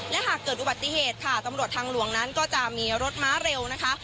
และหากเกิดอุบัติเหตุค่ะตำรวจทางหลวงนั้นก็จะมีรถม้าเร็วนะคะ